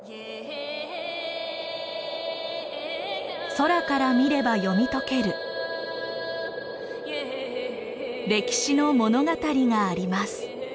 空から見れば読み解ける歴史の物語があります。